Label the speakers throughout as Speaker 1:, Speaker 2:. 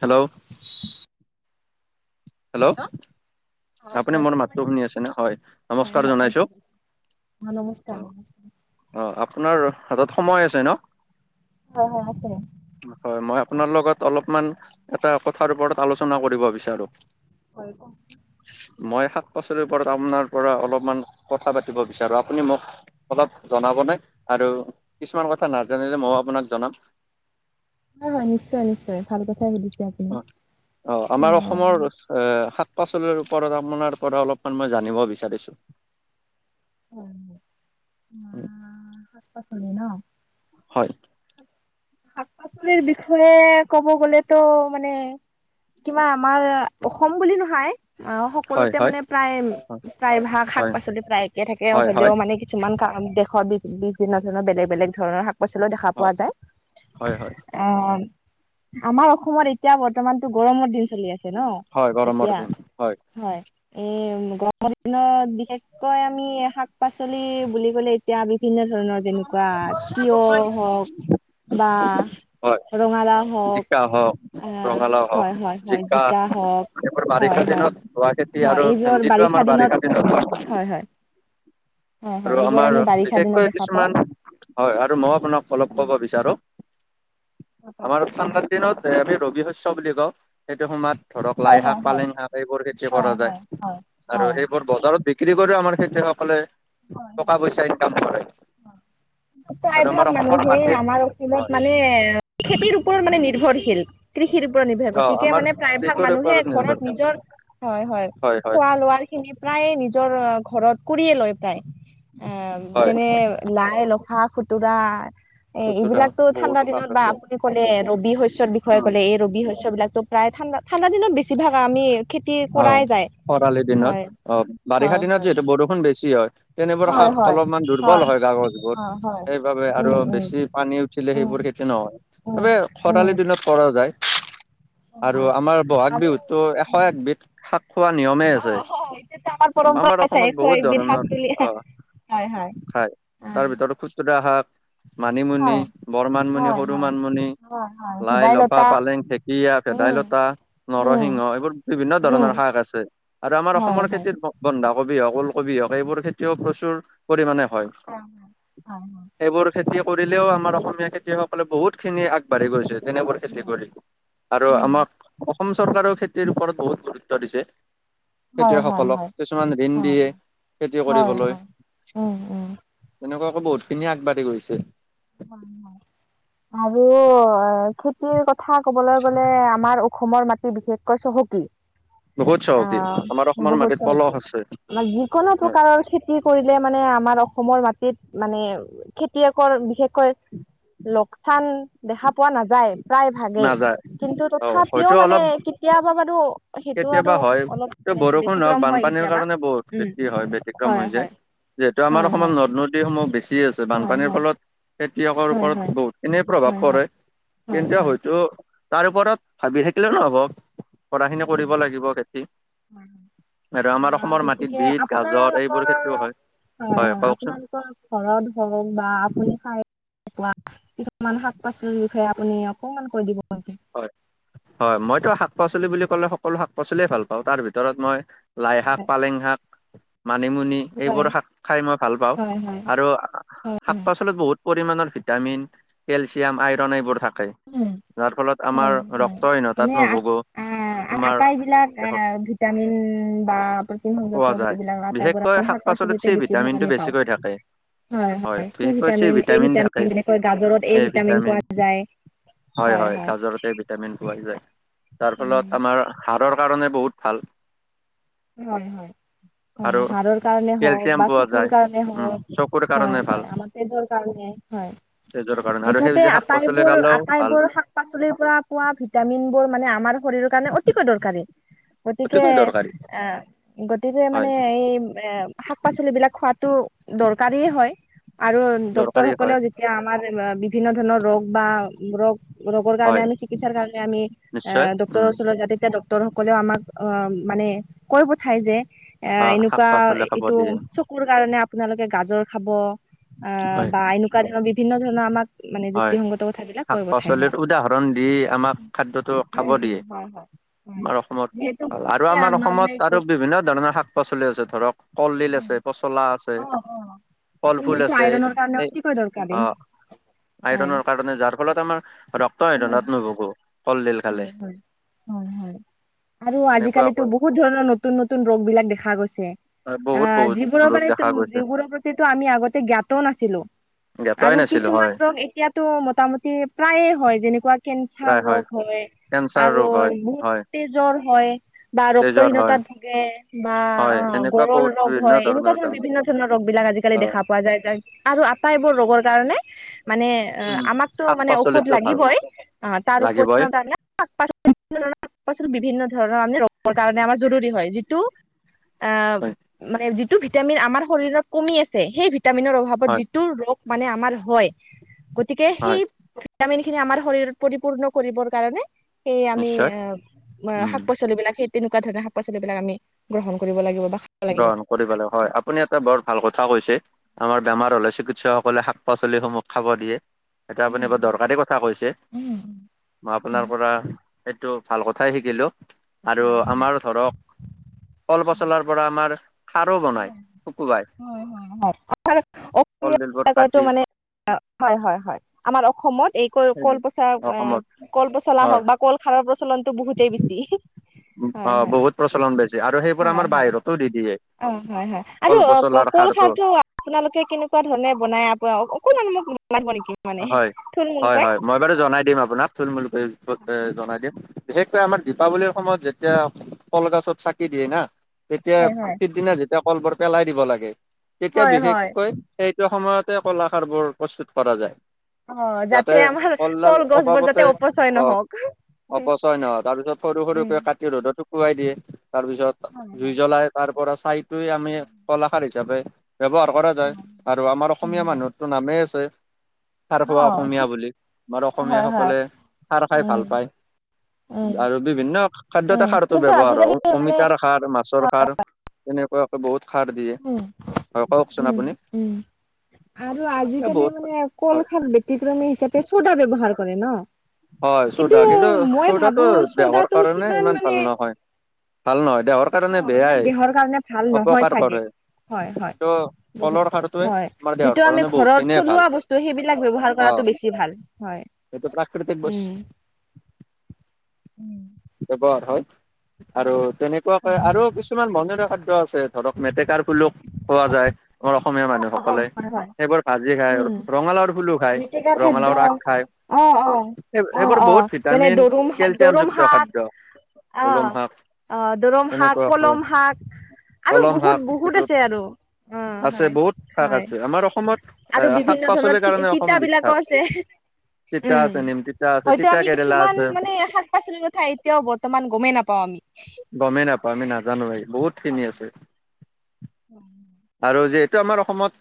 Speaker 1: Hello. Hello.
Speaker 2: অ
Speaker 1: আপুনি
Speaker 2: হয়
Speaker 1: মোৰ
Speaker 2: শুনা
Speaker 1: মাতটো
Speaker 2: পাইছেনে?
Speaker 1: শুনি আছেনে? হয়
Speaker 2: হয়
Speaker 1: নমস্কাৰ
Speaker 2: হয় পাইছো পাইছো। অ নমস্কাৰ
Speaker 1: জনাইছোঁ।
Speaker 2: নমস্কাৰ।
Speaker 1: অ' আপোনাৰ হাতত সময় আছে ন'?
Speaker 2: অ' হয় আছে।
Speaker 1: হয়। মই আপোনাৰ লগত অলপমান এটা কথাৰ ওপৰত আলোচনা কৰিব বিচাৰো।
Speaker 2: হয় কওঁকচুন।
Speaker 1: মই শাক পাচলিৰ ওপৰত আপোনাৰপৰা অলপমান কথা পাতিব বিচাৰো, আপুনি মোক অলপ জনাব নে? আৰু কিছুমান কথা নাজানিলে ময়ো আপোনাক জনাম।
Speaker 2: হয় হয় নিশ্চয় নিশ্চয় ভাল কথাই সুধিছে আপুনি। অ'।
Speaker 1: আমাৰ অসমৰ এ, শাক পাচলিৰ ওপৰত আপোনাৰপৰা অলপমান মই জানিব বিচাৰিছোঁ।
Speaker 2: অ' উম, শাক পাচলি ন'?
Speaker 1: হয়।
Speaker 2: শাক পাচলিৰ বিষয়ে ক'ব গ'লেতো মানে কিবা আমাৰ অসম বুলি নহয় অ'
Speaker 1: হয়
Speaker 2: সকলোতে
Speaker 1: হয়
Speaker 2: মানে প্ৰায়ে
Speaker 1: হয়
Speaker 2: প্ৰায় ভাগ শাক
Speaker 1: হয়
Speaker 2: পাচলি প্ৰায় একে থাকে
Speaker 1: হয়
Speaker 2: হ'লেও মানে কিছুমান কা দেশত বিভিন্নধৰণৰ বেলেগ বেলেগ ধৰণৰ শাক পাচলিও দেখা
Speaker 1: হয়
Speaker 2: পোৱা যায়।
Speaker 1: হয় হয়
Speaker 2: অ' আমাৰ অসমত এতিয়া বৰ্তমানতো গৰমৰ দিন চলি আছে ন'।
Speaker 1: হয় গৰমৰ
Speaker 2: এতিয়া
Speaker 1: দিন হয়।
Speaker 2: হয়। এই গৰমৰ দিনত বিশেষকৈ আমি শাক পাচলি বুলি ক'লে এতিয়া বিভিন্ন ধৰণৰ যেনেকুৱা তিয়হ হওক বা
Speaker 1: হয়
Speaker 2: ৰঙালাও হওক,
Speaker 1: জিকা হওক
Speaker 2: আ,
Speaker 1: ৰঙালাও হওক
Speaker 2: হয় হয় হয়। জিকা হওক
Speaker 1: এইবোৰ বাৰিষা
Speaker 2: হয় হয়।
Speaker 1: দিনত হোৱা খেতি
Speaker 2: হয়
Speaker 1: আৰু
Speaker 2: এইবোৰ
Speaker 1: ভেন্দিটো
Speaker 2: বাৰিষা
Speaker 1: আমাৰ
Speaker 2: দিনত, হয় হয়। হয় হয়
Speaker 1: আৰু
Speaker 2: এইবোৰ
Speaker 1: আমাৰ
Speaker 2: আমি বাৰিষা দিনত
Speaker 1: বিশেষকৈ
Speaker 2: দেখা পাওঁ
Speaker 1: কিছুমান হয় আৰু মই আপোনাক অলপ ক'ব বিচাৰো আমাৰ ঠাণ্ডাৰ দিনত আমি ৰবি শস্য বুলি কওঁ সেইটো সময়ত ধৰক
Speaker 2: হয়
Speaker 1: লাই শাক,
Speaker 2: হয় হয়
Speaker 1: পালেং শাক এইবোৰ খেতি
Speaker 2: হয়
Speaker 1: কৰা
Speaker 2: হয়
Speaker 1: যায়।
Speaker 2: হয়
Speaker 1: আৰু
Speaker 2: হয়
Speaker 1: সেইবোৰ বজাৰত বিক্ৰী কৰিও আমাৰ খেতিয়কসকলে
Speaker 2: হয় হয়
Speaker 1: টকা পইচা ইনকাম কৰে।
Speaker 2: প্ৰায়
Speaker 1: আৰু আমাৰ
Speaker 2: ভাগ
Speaker 1: অসমৰ
Speaker 2: মানুহেই
Speaker 1: মাটিত
Speaker 2: আমাৰ অসমত
Speaker 1: হয়
Speaker 2: মানে খেতিৰ ওপৰত মানে নিৰ্ভৰশীল। কৃষিৰ ওপৰত নিৰ্ভেশ,
Speaker 1: অ
Speaker 2: গতিকে
Speaker 1: আমাৰ
Speaker 2: মানে প্ৰায়ভাগ
Speaker 1: কৃষিৰ
Speaker 2: মানুহে
Speaker 1: ওপৰত
Speaker 2: ঘৰত
Speaker 1: নিৰ্ভৰশীল
Speaker 2: নিজৰ হয় হয়, খোৱা লোৱাৰখিনি প্ৰায়ে নিজৰ ঘৰত কৰিয়ে লয়। তাই এ,
Speaker 1: হয়
Speaker 2: যেনে লাই, লখা, খুতুৰা এ,
Speaker 1: সুতৰা
Speaker 2: এইবিলাকতো
Speaker 1: বহুত
Speaker 2: ঠাণ্ডা
Speaker 1: ভাগ
Speaker 2: দিনত বা
Speaker 1: আছে
Speaker 2: আপুনি ক'লে ৰবি শস্যৰ বিষয়ে
Speaker 1: উম
Speaker 2: ক'লে, এই ৰবি শৈস্যবিলাকো প্ৰায় ঠাণ্ডা ঠাণ্ডা দিনত বেছিভাগ আমি খেতি কৰাই
Speaker 1: অ'
Speaker 2: যায়
Speaker 1: খৰালি দিনত।
Speaker 2: হয়
Speaker 1: অ' বাৰিষা
Speaker 2: হয়
Speaker 1: দিনত
Speaker 2: হয়
Speaker 1: যিহেতু বৰষুণ বেছি হয়। তেনেবোৰ শাক অলপমান দুৰ্বল হয় গা গছবোৰ।
Speaker 2: হয় হয়
Speaker 1: সেইবাবে
Speaker 2: উম
Speaker 1: আৰু
Speaker 2: উম
Speaker 1: বেছি পানী উঠিলে
Speaker 2: উম
Speaker 1: সেইবোৰ খেতি নহয়।
Speaker 2: উম
Speaker 1: বাবে
Speaker 2: উম
Speaker 1: খৰালি দিনত কৰা যায়। আৰু আমাৰ বহাগ বিহুততো এশ
Speaker 2: উম,
Speaker 1: একবিধ শাক খোৱাৰ নিয়মেই
Speaker 2: অ হয়, এতিয়াতো আমাৰ
Speaker 1: আছে।
Speaker 2: পৰম্পৰা
Speaker 1: আমাৰ
Speaker 2: আছে
Speaker 1: অসমত
Speaker 2: এশ
Speaker 1: বহুত
Speaker 2: একবিধ শাক
Speaker 1: ধৰণৰ,
Speaker 2: তুলি
Speaker 1: অ'। হয়,
Speaker 2: হয়
Speaker 1: তাৰ ভিতৰত খুচুৰা শাক মানিমুনি, বৰমানমুনি,
Speaker 2: হয়
Speaker 1: সৰু
Speaker 2: হয়
Speaker 1: মানমুনি।
Speaker 2: হয় হয়
Speaker 1: লাই, লফা,
Speaker 2: ভেদাইলতা
Speaker 1: পালেং, ঢেকীয়া,
Speaker 2: উম
Speaker 1: ভেদাইলতা,
Speaker 2: উম
Speaker 1: নৰসিংহ এইবোৰ বিভিন্ন
Speaker 2: উম
Speaker 1: ধৰণৰ শাক আছে আৰু আমাৰ
Speaker 2: হয়
Speaker 1: অসমৰ
Speaker 2: হয়
Speaker 1: খেতিত বন্ধাকবি হওক, ওলকবি হওক, এইবোৰ খেতিও প্ৰচুৰ পৰিমাণে হয়।
Speaker 2: হয়
Speaker 1: সেইবোৰ খেতি কৰিলেও আমাৰ অসমীয়া খেতিয়সকলে বহুতখিনি আগ বাঢ়ি গৈছে তেনেবোৰ খেতি কৰি আৰু
Speaker 2: উম
Speaker 1: আমাক অসম চৰকাৰেও খেতিৰ ওপৰত বহুত গুৰুত্ব দিছে।
Speaker 2: হয় হয়
Speaker 1: খেতিয়কসকলক
Speaker 2: হয়
Speaker 1: কিছুমান ঋণ
Speaker 2: হয়
Speaker 1: দিয়ে খেতি
Speaker 2: হয়
Speaker 1: কৰিবলৈ।
Speaker 2: হয় উম উম
Speaker 1: তেনেকুৱাকে বহুতখিনি আগবাঢ়ি গৈছে।
Speaker 2: হয় আৰু খেত মাটিৰ কথা কবলৈ গ'লে আমাৰ অসমৰ মাটি বিশেষকৈ চহকী।
Speaker 1: বহুত চহকী
Speaker 2: আহ,
Speaker 1: আমাৰ অসমৰ
Speaker 2: বহুত
Speaker 1: মাটিত পলস
Speaker 2: চহকী।
Speaker 1: আছে
Speaker 2: যিকোনো প্ৰকাৰৰ খেতি কৰিলে মানে, আমাৰ অসমৰ মাটিত মানে খেতিয়কৰ বিশেষকৈ লোকচান দেখা পোৱা নাযায় প্ৰায় ভাগেই,
Speaker 1: নাযায়
Speaker 2: কিন্তু
Speaker 1: অ
Speaker 2: তথাপিও
Speaker 1: হয়তো
Speaker 2: মানে
Speaker 1: অলপ
Speaker 2: কেতিয়াবা বাৰু সেইটো আৰু
Speaker 1: কেতিয়াবা হয়,
Speaker 2: অলপ
Speaker 1: ত'
Speaker 2: মানে
Speaker 1: বৰষুণ
Speaker 2: ব্যতিক্ৰম
Speaker 1: হক
Speaker 2: হয়
Speaker 1: বানপানীৰ
Speaker 2: কেতিয়াবা
Speaker 1: কাৰণে বহুত
Speaker 2: উম
Speaker 1: খেতি
Speaker 2: উম
Speaker 1: হয় ব্যতিক্ৰম
Speaker 2: হয়
Speaker 1: হৈ যায়।
Speaker 2: হয়
Speaker 1: যিহেতু আমাৰ
Speaker 2: হয়
Speaker 1: অসমৰ
Speaker 2: হয়
Speaker 1: নদ-নদীসমূহ বেছি আছে।
Speaker 2: হয়
Speaker 1: বানপানীৰ
Speaker 2: হয়
Speaker 1: ফলত খেতিয়কৰ
Speaker 2: হয় হয়
Speaker 1: ওপৰত বহুতখিনি প্ৰভাৱ
Speaker 2: হয়
Speaker 1: পৰে,
Speaker 2: হয়
Speaker 1: কিন্তু
Speaker 2: হয়
Speaker 1: হয়তো তাৰ ওপৰত ভাবি থাকিলেও নহ'ব, কৰাখিনি কৰিব লাগিব খেতি। আৰু আমাৰ
Speaker 2: অ',
Speaker 1: অসমৰ মাটিত
Speaker 2: গতিকে
Speaker 1: বিট গাজৰ এইবোৰ
Speaker 2: আপোনালোকৰ!
Speaker 1: খেতিও
Speaker 2: হয়, হয়, আপোনালোকৰ ঘৰত হওক বা আপুনি খাই কিছুমান শাক পাচলিৰ বিষয়ে আপুনি অকমান কৈ দিব নেকি?
Speaker 1: হয়, হয়, মইতো শাক-পাচলি বুলি ক'লে সকলো শাক পাচলিয় ভাল পাওঁ। তাৰ ভিতৰত মই লাই শাক, পালেং শাক, মানিমুনি এইবোৰ শাক খাই মই ভাল পাওঁ
Speaker 2: হয় হয়
Speaker 1: আৰু শাক-পাচলিত বহুত পৰিমানৰ ভিটামিন, কেলচিয়াম, আইৰণ এইবোৰ থাকে। যাৰ ফলত আমাৰ
Speaker 2: হয় হয় হয় মানে
Speaker 1: ৰক্তহীনতাত নোভোগো, আমাৰ
Speaker 2: আটাইবিলাক ভিটামিন বা প্ৰটিন
Speaker 1: পোৱা
Speaker 2: সংযত
Speaker 1: যায়
Speaker 2: যিবিলাক আটাইবোৰ
Speaker 1: বিশেষকৈ
Speaker 2: আমি শাক
Speaker 1: পাচলিত চি
Speaker 2: পাচলিতে বেছিভাগ
Speaker 1: ভিটামিনটো
Speaker 2: আমি পাওঁ।
Speaker 1: বেছিকৈ থাকে
Speaker 2: হয়, হয়, চি ভিটামিন, এ ভিটামিন যেনেকৈ গাজৰত এ ভিটামিন পোৱা যায়।
Speaker 1: হয়, হয়, কাগ [unintelligible] ভিটামিন পোৱা যায়, তাৰ
Speaker 2: উম
Speaker 1: ফলত আমাৰ হাড়ৰ কাৰণে বহুত ভাল।
Speaker 2: হয়, হয়।
Speaker 1: [inaudible]
Speaker 2: হয়, হাড়ৰ কাৰণে হওক
Speaker 1: কেলচিয়াম
Speaker 2: বা
Speaker 1: পোৱা
Speaker 2: চকুৰ
Speaker 1: যায়
Speaker 2: কাৰণে
Speaker 1: উম
Speaker 2: হওক।
Speaker 1: চকুৰ
Speaker 2: হয়,
Speaker 1: কাৰণে ভাল
Speaker 2: হয়, আমাৰ তেজৰ কাৰণে হয়।
Speaker 1: তেজৰ কাৰণে আৰু
Speaker 2: মুঠতে
Speaker 1: সেউজীয়া শাক পাচলি খালেও ভাল
Speaker 2: আটাইবোৰ-আটাইবোৰ শাক শাক-পাচলিৰ পৰা পোৱা ভিটামিন বোৰ মানে আমাৰ শৰীৰৰ কাৰণে অতিকৈ দৰকাৰী, গতিকে
Speaker 1: অতিকৈ দৰকাৰী
Speaker 2: আহ গতিকে মানে
Speaker 1: হয়
Speaker 2: এই এ শাক-পাচলিবিলাক খোৱাতো দৰকাৰীয়ে হয়। আৰু ডক্তৰ
Speaker 1: দৰকাৰী হয়
Speaker 2: সকলেও যেতিয়া আমাৰ বিভিন্ন ধৰণৰ ৰোগ বা ৰোগ-ৰোগৰ কাৰণে
Speaker 1: হয়
Speaker 2: আমি চিকিৎসাৰ কাৰণে আমি
Speaker 1: নিশ্চয়
Speaker 2: আহ ডক্তৰৰ
Speaker 1: উম
Speaker 2: ওচৰত যায়, তেতিয়া ডক্টৰ সকলেও আমাক আহ মানে কৈ পঠায় যে এ
Speaker 1: অ শাক
Speaker 2: এনেকুৱা,
Speaker 1: পাচলি খাব
Speaker 2: এইটো
Speaker 1: দিয়ে
Speaker 2: চ চকুৰ কাৰণে আপোনালোকে গাজৰ খাব, আহ
Speaker 1: হয়
Speaker 2: বা এনেকুৱা ধৰণৰ বিভিন্ন ধৰণৰ আমাক মানে
Speaker 1: হয়,
Speaker 2: যুক্তিসংগত কথাবিলাক কৈ পঠাই হয়।
Speaker 1: শাক-পাচলিৰ উদাহৰণ দি আমাক খাদ্যটো খাব
Speaker 2: উম উম
Speaker 1: দিয়ে।
Speaker 2: হয় হয়। হয়
Speaker 1: আমাৰ অসমত
Speaker 2: যিহেতু
Speaker 1: ভাল, আৰু
Speaker 2: বহুতে
Speaker 1: আমাৰ অসমত
Speaker 2: মানে
Speaker 1: আৰু বিভিন্ন ধৰণৰ শাক-পাচলি আছে ধৰক কলডিল আছে,
Speaker 2: অ',
Speaker 1: পচলা আছে,
Speaker 2: অ',
Speaker 1: ফল ফুল
Speaker 2: হলদিটো
Speaker 1: আছে,
Speaker 2: আইৰনৰ কাৰণে
Speaker 1: এই
Speaker 2: অতিকৈ দৰকাৰী।
Speaker 1: অ'।
Speaker 2: হয়।
Speaker 1: আইৰনৰ কাৰণে, যাৰ ফলত আমাৰ ৰক্তহীনতাত নোভোগো।
Speaker 2: হয়, হয়। হয়, হয়। আৰু আজিকালিতো
Speaker 1: তেনেকুৱাকৈ
Speaker 2: বহুত ধৰণৰ নতুন, নতুন ৰোগ বিলাক দেখা গৈছে।
Speaker 1: বহুত
Speaker 2: অ',
Speaker 1: বহুত
Speaker 2: যিবোৰৰ
Speaker 1: ৰোগ
Speaker 2: মানে
Speaker 1: দেখা গৈছে
Speaker 2: যিবোৰৰ প্ৰতিটো আমি আগতে জ্ঞাতও নাছিলো।
Speaker 1: জ্ঞাতই
Speaker 2: আৰু
Speaker 1: নাছিলো
Speaker 2: কিছুমান
Speaker 1: হয়
Speaker 2: ৰোগ এতিয়াটো মোটামুটি প্ৰায়ে হয়, যেনেকুৱা কেঞ্চাৰ ৰোগ। হয়,
Speaker 1: কেঞ্চাৰ
Speaker 2: আৰু
Speaker 1: ৰোগ হয় হয়
Speaker 2: বহুতে জ্বৰ হয় বা
Speaker 1: তেজৰ হয়
Speaker 2: ৰক্তহীনতাত ভোগে। বা
Speaker 1: হয়
Speaker 2: অ',
Speaker 1: এনেকুৱা
Speaker 2: গৰল
Speaker 1: বহুত
Speaker 2: ৰোগ
Speaker 1: বিভিন্ন
Speaker 2: হয়, এনেকুৱা ধৰণৰ
Speaker 1: বেমাৰ
Speaker 2: বিভিন্ন ধৰণৰ ৰোগ বিলাক আজিকালি
Speaker 1: অ
Speaker 2: দেখা পোৱা যায়, আৰু আটাইবোৰ ৰোগৰ কাৰণে মানে অ',
Speaker 1: উম
Speaker 2: আমাকতো
Speaker 1: শাক
Speaker 2: মানে ঔষধ
Speaker 1: পাচলিতো ভাল
Speaker 2: লাগিবই, তাৰ
Speaker 1: লাগিবই
Speaker 2: উপৰিও তাৰমানে শাক-পাচলি বিভিন্ন ধৰণৰ শাক-পাচলি বিভিন্ন ধৰণৰ আমাৰ ৰোগৰ বাবে জৰুৰী হয়, যিটো আহ
Speaker 1: হয়
Speaker 2: মানে যিটো ভিটামিন আমাৰ শৰীৰত কমি আছে, সেই ভিটামিনৰ অভাৱত
Speaker 1: হয়
Speaker 2: যিটো ৰোগ মানে আমাৰ হয়, গতিকে সেই
Speaker 1: হয়
Speaker 2: ভিটামিন খিনি আমাৰ শৰীৰত পৰিপূৰ্ণ কৰিবৰ কাৰণে, সেই আমি
Speaker 1: নিশ্চয়
Speaker 2: আহ
Speaker 1: উম
Speaker 2: শাক-পাচলি বিলাক সেই তেনেকুৱা ধৰণৰ শাক-পাচলিব বিলাক আমি গ্ৰহণ কৰিব লাগিব বা খাব লাগিব।
Speaker 1: গ্ৰহণ কৰিবলে হয় আপুনি এটা বৰ ভাল কথা কৈছে আমাৰ বেমাৰ হলে চিকিৎসকসকলে শাক পাচলিসমূহ খাব দিয়ে এটা
Speaker 2: উম
Speaker 1: আপুনি বৰ দৰকাৰী কথা কৈছে
Speaker 2: উম
Speaker 1: মই আপোনাৰ
Speaker 2: উম
Speaker 1: পৰা এইটো ভাল কথাই শিকিলো আৰু
Speaker 2: হয় হয়।
Speaker 1: আমাৰ ধৰক কল পচলাৰ পৰা আমাৰ খাৰো বনাই শুকুুৱাই
Speaker 2: হয় হয় হয়
Speaker 1: কলডিল বোৰ কাটি
Speaker 2: অ', হয় - হয়- হয়, আমাৰ অসমত এই ক' কল পচলা
Speaker 1: সেইবোৰ অসমত
Speaker 2: কল পচলা
Speaker 1: হয়
Speaker 2: হওক বা কল খাৰৰ প্ৰচলনটো বহুতেই বেছি। হয়
Speaker 1: অ',
Speaker 2: হয়
Speaker 1: বহুত প্ৰচলন বেছি আৰু সেইবোৰ
Speaker 2: হয়
Speaker 1: আমাৰ
Speaker 2: হয়
Speaker 1: বাহিৰতো দি দিয়ে।
Speaker 2: অ', হয় - হয় আৰু
Speaker 1: কল
Speaker 2: অ',
Speaker 1: পচলাৰ
Speaker 2: কল
Speaker 1: সাৰটো
Speaker 2: খাৰটো আপোনালোকে কেনেকুৱা ধৰণে বনাই আ, অকণমানোক [unintelligible] নেকি? মানে
Speaker 1: হয় - হয় -
Speaker 2: থুলমূলকৈ।
Speaker 1: হয়, মই বাৰু জনাই দিম আপোনাক থুল মূল কে এ, জনাই দিম। বিশেষকৈ আমাৰ দীপাৱলীৰ সময়ত যেতিয়া কলগছত চাকি দিয়ে না তেতিয়া
Speaker 2: হয় হয়
Speaker 1: পিছদিনা যেতিয়া কলবোৰ পেলাই দিব লাগে তেতিয়া
Speaker 2: হয় হয়
Speaker 1: বিশেষকৈ সেইটো সময়তে কলাখাৰ বোৰ প্ৰস্তুত কৰা যায়।
Speaker 2: অ
Speaker 1: যাতে
Speaker 2: আমাৰ
Speaker 1: কলডাল
Speaker 2: কলগছবোৰ যাতে
Speaker 1: অভাবতে
Speaker 2: অপচয়
Speaker 1: অ',
Speaker 2: নহওক
Speaker 1: অপচয় নহয় তাৰ পিছত সৰু
Speaker 2: উম
Speaker 1: সৰুকে কাটি ৰ'দত শুকোৱাই দিয়ে তাৰ পিছত
Speaker 2: হয়
Speaker 1: জুই
Speaker 2: হয়
Speaker 1: জ্বলাই তাৰ পৰা ছাইটোৱে আমি কলাখাৰ হিচাপে ব্যৱহাৰ কৰা যায়
Speaker 2: ন
Speaker 1: আৰু আমাৰ অসমীয়া মানুহ টো নামেই আছে খাৰ
Speaker 2: হয়
Speaker 1: খোৱা অসমীয়া বুলি, আমাৰ
Speaker 2: অ হয় হয়
Speaker 1: অসমীয়াসকলে খাৰ খাই
Speaker 2: উম
Speaker 1: ভাল পায়।
Speaker 2: উম
Speaker 1: আৰু বিভিন্ন খাদ্যতে
Speaker 2: উম
Speaker 1: খাৰতো
Speaker 2: কিন্তু
Speaker 1: ব্যৱহাৰ
Speaker 2: আজিকালি
Speaker 1: হয়
Speaker 2: মানে
Speaker 1: অমিতাৰ খাৰ, মাছৰ খাৰ। তেনেকুৱাকে বহুত খাৰ দিয়ে,
Speaker 2: উম
Speaker 1: হয় কওকচোন
Speaker 2: উম
Speaker 1: আপুনি?
Speaker 2: উম আৰু
Speaker 1: এ
Speaker 2: আজিকালি
Speaker 1: বহুত
Speaker 2: মানে কল
Speaker 1: হয়
Speaker 2: খাৰ ব্যতিক্ৰমী হিচাপে চ'দা ব্যৱহাৰ কৰে ন?
Speaker 1: হয়
Speaker 2: কিন্তু
Speaker 1: চৌদা
Speaker 2: মই ভাবো
Speaker 1: চৌদাটো দেহৰ
Speaker 2: চৌদাটো
Speaker 1: কাৰণে
Speaker 2: সিমান
Speaker 1: ইমান
Speaker 2: মানে
Speaker 1: ভাল
Speaker 2: অ',
Speaker 1: নহয় ভাল নহয় দেহৰ কাৰণে
Speaker 2: ইমান
Speaker 1: বেয়াই
Speaker 2: দেহৰ কাৰণে ভাল নহয়
Speaker 1: অপকাৰ
Speaker 2: চাগে
Speaker 1: কৰে
Speaker 2: হয় - হয়,
Speaker 1: কিন্তু
Speaker 2: বহুত
Speaker 1: কলৰ সাৰটোৱে
Speaker 2: হয়,
Speaker 1: আমাৰ দেহৰ
Speaker 2: যিটো আমি
Speaker 1: কাৰণে
Speaker 2: ঘৰৰ
Speaker 1: বহুতখিনিয়ে ভাল
Speaker 2: থলুৱা বস্তু সেইবিলাক ব্যৱহাৰ কৰাতো বেছি বেছি ভাল হয়।
Speaker 1: এইটো প্ৰাকৃতিক
Speaker 2: উম
Speaker 1: বস্তু ব্যৱহাৰ হয় আৰু তেনেকুৱাকৈ আৰু কিছুমান বন খাদ্য আছে ধৰক মেটেকাৰ ফুলক পোৱা যায়। আমাৰ অসমীয়া মানুহসকলে সেইবোৰ ভাজি খায়
Speaker 2: উম
Speaker 1: ৰঙালাৱৰ ফুলো খায় ৰঙালাৱৰ আগ খায়।
Speaker 2: অ', অ',
Speaker 1: সেই
Speaker 2: অ',
Speaker 1: সেইবোৰ বহুত
Speaker 2: অ', যেনে
Speaker 1: ভিটামিন
Speaker 2: দৰুম দৰুম
Speaker 1: কেলচিয়ামযুক্ত
Speaker 2: শাক।
Speaker 1: খাদ্য কলম
Speaker 2: অ',
Speaker 1: শাক
Speaker 2: অ', দৰম শাক,
Speaker 1: এনেকুৱাকৈ
Speaker 2: কলম শাক। আৰু
Speaker 1: কলম শাক
Speaker 2: বহুত বহুত
Speaker 1: এইটোত
Speaker 2: আছে আৰু অ',
Speaker 1: আছে
Speaker 2: হয়
Speaker 1: বহুত শাক
Speaker 2: হয়
Speaker 1: আছে আমাৰ অসমত এ
Speaker 2: আৰু
Speaker 1: শাক
Speaker 2: বিভিন্ন
Speaker 1: পাচলিৰ
Speaker 2: ধৰণৰ তি
Speaker 1: কাৰণে অসম
Speaker 2: তিতা
Speaker 1: বিখ্যাত
Speaker 2: বিলাকো আছে।
Speaker 1: তিতা
Speaker 2: উম
Speaker 1: আছে নিম তিতা আছে
Speaker 2: হয়তো
Speaker 1: তিতা
Speaker 2: আমি
Speaker 1: কেৰেলা
Speaker 2: কিছুমান
Speaker 1: আছে।
Speaker 2: মানে শাক পাচলিৰ কথা এতিয়াও বৰ্তমান গমেই নাপাও আমি।
Speaker 1: গমেই নাপায় আমি নাজানোয়ে বহুত খিনি আছে
Speaker 2: [inaudible] উম,
Speaker 1: আৰু যিহেতু আমাৰ অসমত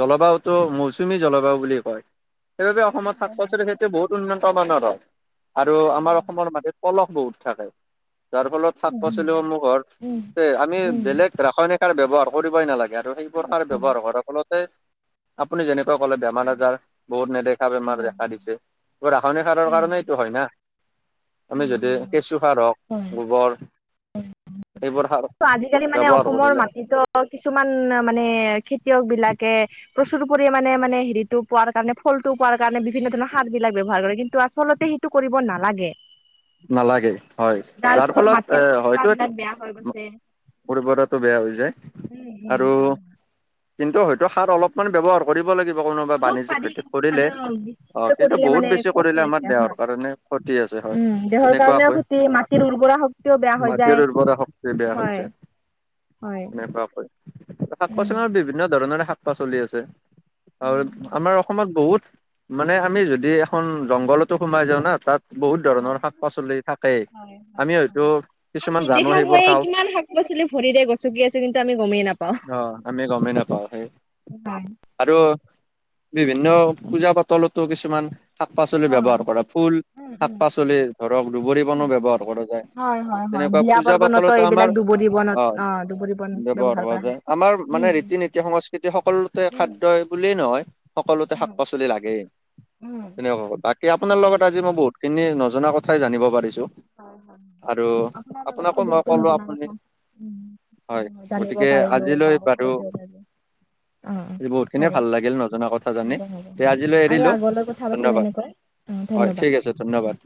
Speaker 1: জলবায়ুটো মৌচুমী জলবায়ু বুলি কয় সেইবাবে অসমত শাক পাচলি খাই বহুত উন্নত মানৰ আৰু আমাৰ অসমৰ মাজত পলস বহুত থাকে। যাৰ ফলত শাক পাচলিসমূহৰ আমি বেলেগ ৰাসায়নিকাৰ ব্যয়ৱহাৰ কৰিবই নালাগে আৰু সেইবোৰ খাৰ ব্যৱহাৰ কৰা ফলতে আপুনি যেনেকুৱা কলে বেমাৰ আজাৰ বহুত নেদেখা বেমাৰ দেখা দিছে। ৰাসায়নিক সাৰৰ কাৰণেই এইটো হয় না, আমি যদি কেঁচু সাৰ হওক গোবৰ এইবোৰ সাৰ
Speaker 2: ত' আজিকালি মানে
Speaker 1: ব্যৱহাৰ
Speaker 2: অসমৰ
Speaker 1: কৰিলে
Speaker 2: মাটিতটো কিছুমান মানে খেতিয়কবিলাকে প্ৰচুৰ পৰিমানে মানে হেৰিটো পোৱাৰ কাৰণে ফলটো পোৱাৰ কাৰণে বিভিন্ন ধৰণৰ সাৰবিলাক ব্যৱহাৰ কৰে। কিন্তু আচলতে স টো কৰিব নালাগে।
Speaker 1: নালাগে হয়। যাৰ ফলত এ হয়তো [unintelligible] বেয়া হৈ যায় আৰু কিন্তু হয়তো সাৰ অলপমান ব্যৱহাৰ কৰিব লাগিব কোনোবা বাণিজ্যিক খেতি কৰিলে। অ', কিন্তু
Speaker 2: কৰিলে মানে
Speaker 1: বহুত বেছি
Speaker 2: ক্ষতি
Speaker 1: কৰিলে আমাৰ দেহৰ কাৰণে ক্ষতি আছে হয়।
Speaker 2: উম দেহৰ কাৰণেও
Speaker 1: তেনেকুৱাকৈ
Speaker 2: ক্ষতি মাটিৰ উৰ্বৰা শক্তিও বেয়া হৈ যায়
Speaker 1: মাটিৰ উৰ্বৰা শক্তি বেয়া
Speaker 2: হয়
Speaker 1: হৈছে।
Speaker 2: হয়
Speaker 1: সেনেকুৱাকৈ শাক পাচলৰ বিভিন্ন ধৰণৰে শাক পাচলি আছে আৰু আমাৰ অসমত বহুত মানে আমি যদি এখন জংঘলতো সোমাই যাওঁ না তাত বহুত ধৰণৰ শাক পাচলি থাকেই
Speaker 2: হয়, হয়।
Speaker 1: আমি হয়তো
Speaker 2: আমি
Speaker 1: কিছুমান জানো সেইবোৰ
Speaker 2: নেদেখাকৈ
Speaker 1: খাওঁ
Speaker 2: কিমান শাক পাচলি ভৰিৰে গ চকি আছো কিন্তু আমি গ'মেই নাপাওঁ।
Speaker 1: অ আমি গমেই নাপাওঁ সেই আৰু বিভিন্ন পূজা পাতলতো কিছুমান শাক পাচলি ব্যৱহাৰ কৰা ফুল শাক পাচলি ধৰক দুবৰি বনো ব্যৱহাৰ কৰা যায়। তেনেকুৱা
Speaker 2: বিয়া
Speaker 1: পূজা
Speaker 2: পাৰ্বণতো
Speaker 1: পাতলতো
Speaker 2: এইবিলাক
Speaker 1: আমাৰ
Speaker 2: দুবৰি বনত
Speaker 1: অ'
Speaker 2: দুবৰি বন
Speaker 1: ব্যৱহাৰ হোৱা
Speaker 2: কৰা
Speaker 1: যায়।
Speaker 2: হয়
Speaker 1: আমাৰ মানে ৰীতি নীতি সংস্কৃতি সকলোতে খাদ্যই বুলিয়েই নহয়। সকলোতে শাক পাচলি লাগে।
Speaker 2: উম।
Speaker 1: বাকী আপোনাৰ লগত আজি মই বহুতখিনি নজনা কথাই জানিব পাৰিছো। আৰু আপোনাকো মই ক'লো আপুনি হয়। গতিকে আজিলৈ বাৰু
Speaker 2: অ অ
Speaker 1: বহুতখিনিয়ে
Speaker 2: হ'ব
Speaker 1: ভাল লাগিল নজনা কথা জানি। এতিয়া আজিলৈ
Speaker 2: আৰু
Speaker 1: এৰিলো
Speaker 2: আগলৈ কথা পাতিম
Speaker 1: ধন্যবাদ।
Speaker 2: এনেকৈ অ
Speaker 1: হয়,
Speaker 2: ধন্যবাদ
Speaker 1: ঠিক আছে ধন্যবাদ।